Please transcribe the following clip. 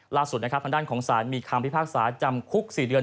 ล่าสุดข้างด้านของศาลมีความพิพากษ์ศาสตร์จำคุกสี่เรือน